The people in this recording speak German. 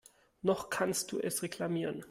Noch kannst du es reklamieren.